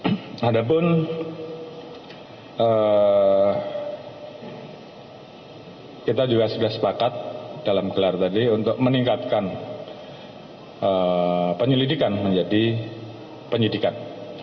walaupun kita juga sudah sepakat dalam gelar tadi untuk meningkatkan penyelidikan menjadi penyidikan